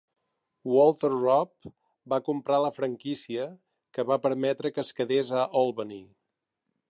Walter Robb va comprar la franquícia, que va permetre que es quedés a Albany.